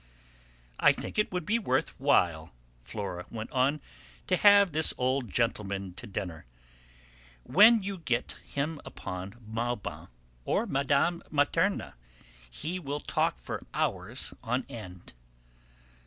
"I think it would be worth while," Flora went on, "to have this old gentleman to dinner. When you get him upon Maubant or Mme. Materna he will talk for hours on end."